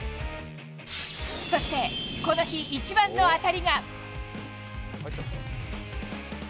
そして、この日一番の当たりが。